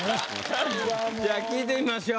じゃあ聞いてみましょう。